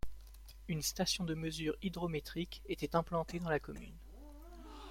Une station de mesure hydrométrique était implantée dans la commune.